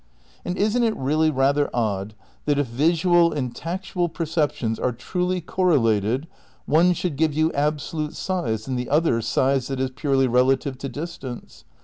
And isn't it really rather odd that if visual and tactual perceptions are truly cor related one should give you absolute size and the other size that is purely relative to distance